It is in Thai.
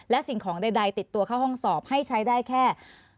และสิ่งของใดติดตัวเข้าห้องสอบให้ใช้ได้แค่